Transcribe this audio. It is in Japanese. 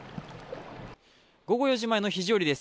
午後４時前の肘折です。